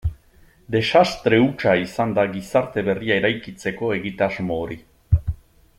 Desastre hutsa izan da gizarte berria eraikitzeko egitasmo hori.